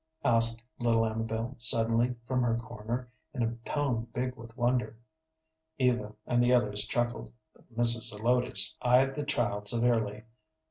asked little Amabel, suddenly, from her corner, in a tone big with wonder. Eva and the others chuckled, but Mrs. Zelotes eyed the child severely.